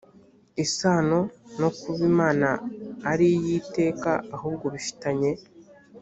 isano no kuba imana ari iy iteka ahubwo bifitanye